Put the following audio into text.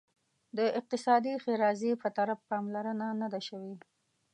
د اقتصادي ښیرازي په طرف پاملرنه نه ده شوې.